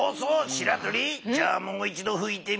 しらとりじゃあもう一どふいてみて。